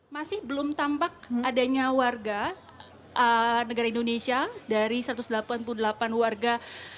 masih belum tampak adanya warga negara indonesia dari satu ratus delapan puluh delapan warga